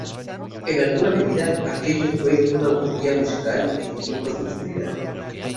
En alguna medida, aquello fue una utopía musical en tiempos de oscuridad.